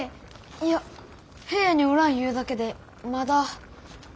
いや部屋におらんゆうだけでまだ。